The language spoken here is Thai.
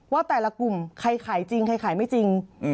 ว่าแต่ละกลุ่มใครขายจริงใครขายไม่จริง